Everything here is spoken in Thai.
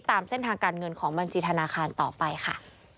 ตามเส้นทางการเงินของบัญชีธนาคารต่อไปค่ะ